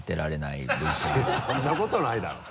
いやそんなことないだろ